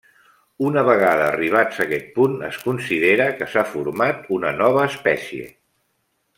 Una vegada arribats a aquest punt es considera que s'ha format una nova espècie.